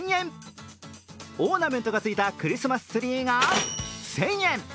オーナメントがついたクリスマスツリーが１０００円。